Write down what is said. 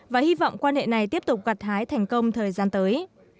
và hy vọng quan hệ này tiếp tục gặt hái thành công thời gian tới